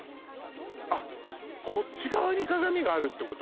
あっこっち側に鏡があるってこと？